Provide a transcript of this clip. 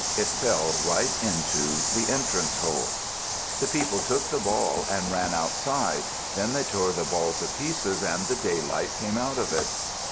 It fell right into the entrance hole. The people took the ball and ran outside. Then they tore the ball to pieces and the daylight came out of it.